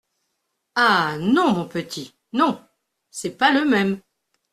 Ah ! non, mon petit ! non ! c'est pas le même !